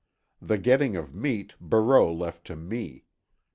The getting of meat Barreau left to me.